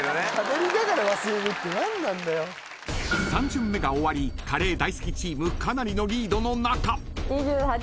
［３巡目が終わりカレー大好きチームかなりのリードの中］